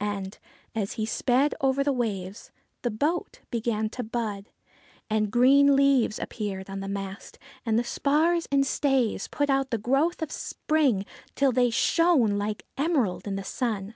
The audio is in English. And, as he sped over the waves, the boat began to bud ; and green leaves appeared on the mast, and the spars and stays put out the growth of spring, till they shone like emerald in the sun.